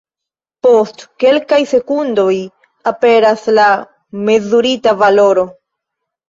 Post kelkaj sekundoj aperas la mezurita valoro.